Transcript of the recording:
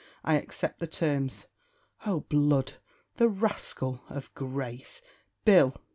I accept the terms. Oh blood! the rascal of grace!! Bill!"